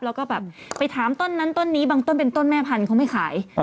แล้วก็แบบไปถามต้นนั้นต้นนี้บางต้นเป็นต้นแม่พันธุ์ไม่ขาย